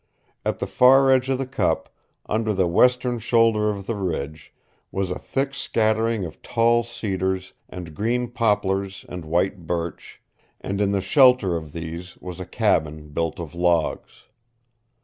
At the far edge of the cup, under the western shoulder of the ridge, was a thick scattering of tall cedars and green poplars and white birch, and in the shelter of these was a cabin built of logs.